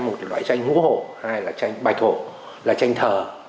một là loại tranh ngũ hổ hai là tranh bạch hổ là tranh thờ